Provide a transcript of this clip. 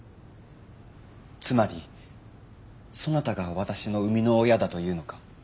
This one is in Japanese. つまりそなたが私の生みの親だというのか。